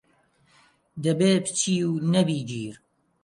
دەبێ پچی و نەبی گیر